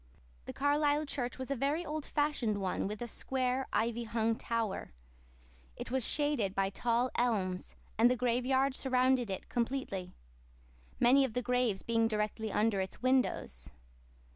The Carlisle church was a very old fashioned one, with a square, ivy hung tower. It was shaded by tall elms, and the graveyard surrounded it completely, many of the graves being directly under its windows.